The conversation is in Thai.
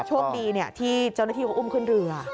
โชคดีที่เจ้าหน้าที่เขาอุ้มขึ้นเรือ